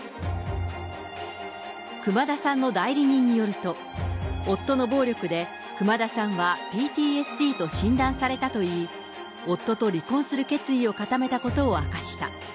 熊田さんの代理人によると、夫の暴力で熊田さんは、ＰＴＳＤと診断されたといい、夫と離婚する決意を固めたことを明かした。